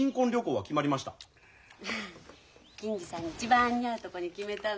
銀次さんに一番似合うとこに決めたの。